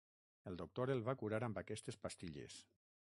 El doctor el va curar amb aquestes pastilles.